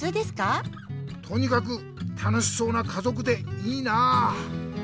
とにかく楽しそうなかぞくでいいなあ。